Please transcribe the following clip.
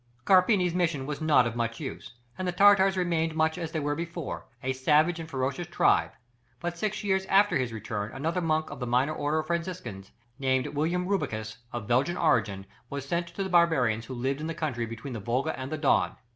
Carpini's mission was not of much use, and the Tartars remained much as they were before, a savage and ferocious tribe; but six years after his return another monk of the minor order of Franciscans, named William Rubruquis, of Belgian origin, was sent to the barbarians who lived in the country between the Volga and the Don.